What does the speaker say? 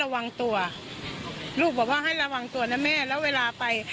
ว่าว่าให้ระวังตัวนะแม่แล้วเวลาไป